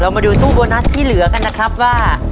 มาดูตู้โบนัสที่เหลือกันนะครับว่า